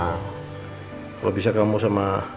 kalau bisa kamu sama